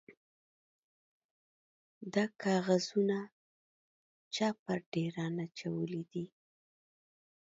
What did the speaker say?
_دا کاغذونه چا پر ډېران اچولي دي؟